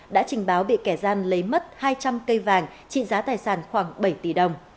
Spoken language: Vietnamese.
đã trình báo bị kẻ gian lấy mất hai trăm linh cây vàng trị giá tài sản khoảng bảy tỷ đồng